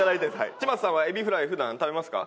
嶋佐さんはエビフライ普段食べますか？